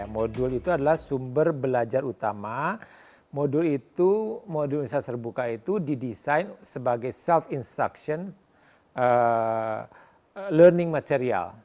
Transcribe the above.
modul itu adalah sumber belajar utama modul itu modul universitas terbuka itu didesain sebagai self instruction learning material